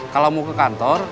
kalau mau ke kantor